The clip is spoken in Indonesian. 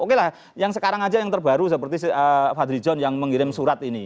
oke lah yang sekarang aja yang terbaru seperti fadli john yang mengirim surat ini